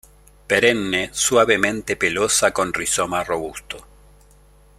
Perenne suavemente pelosa con rizoma robusto.